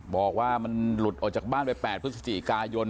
บอกว่ามันหลุดออกจากบ้านไป๘พฤศจิกายน